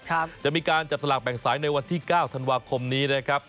จะมีการจับสลากแบ่งสายในวันที่เก้าธันวาคมนี้นะครับ